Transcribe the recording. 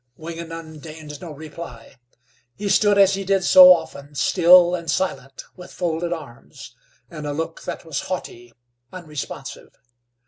Wingenund deigned no reply. He stood as he did so often, still and silent, with folded arms, and a look that was haughty, unresponsive.